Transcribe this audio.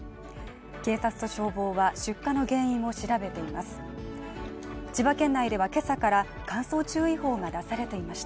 警察と消防は出火の原因を調べています。